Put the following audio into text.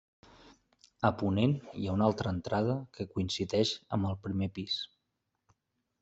A ponent hi ha una altra entrada que coincideix amb el primer pis.